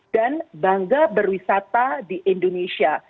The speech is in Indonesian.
dan bangga berwisata di indonesia